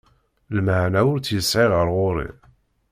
Lmeεna ur tt-yesεi ɣer ɣur-i.